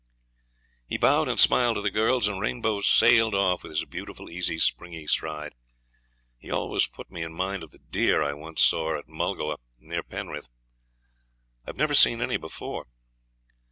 He bowed and smiled to the girls, and Rainbow sailed off with his beautiful easy, springy stride. He always put me in mind of the deer I once saw at Mulgoa, near Penrith; I'd never seen any before.